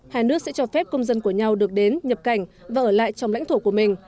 hai nước sẽ cho phép công dân của nhau được đến nhập cảnh và ở lại trong lãnh thổ của mình